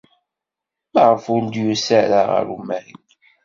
Maɣef ur d-yusi ara ɣer umahil?